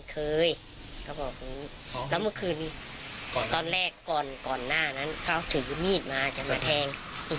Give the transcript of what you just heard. เคยก็บอกวันนี้ต้องพึ่งตอนแรกก่อนก่อนหน้านั้นเข้าถึงวิวนกันจะมาแทง